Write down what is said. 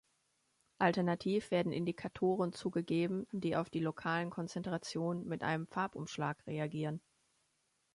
Alternativ werden Indikatoren zugegeben, die auf die lokalen Konzentrationen mit einem Farbumschlag reagieren.